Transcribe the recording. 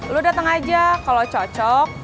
lu datang aja kalau cocok